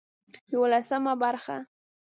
يولسمه برخه